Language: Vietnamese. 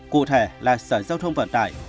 cụ thể là sở giao thông vận tải